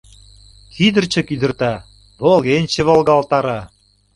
Кӱдырчӧ кӱдырта, волгенче волгалтара.